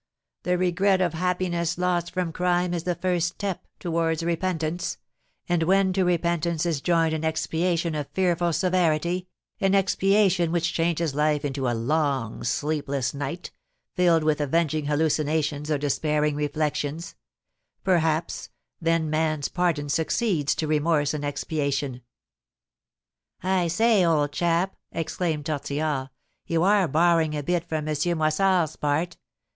the regret of happiness lost from crime is the first step towards repentance; and when to repentance is joined an expiation of fearful severity, an expiation which changes life into a long, sleepless night, filled with avenging hallucinations or despairing reflections, perhaps then man's pardon succeeds to remorse and expiation." "I say, old chap," exclaimed Tortillard, "you are borrowing a bit from M. Moissard's part!